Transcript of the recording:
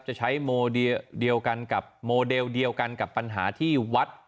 จะใช้โมเดลเดียวกันกับโมเดลเดียวกันกับปัญหาที่วัด